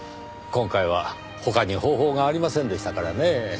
今回は他に方法がありませんでしたからねぇ。